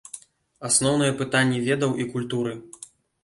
Асноўныя пытанні ведаў і культуры.